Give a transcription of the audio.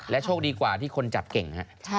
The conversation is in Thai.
และโชคดีกว่ามากที่คนจับเก่ง